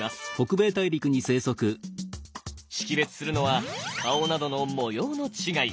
識別するのは顔などの模様の違い。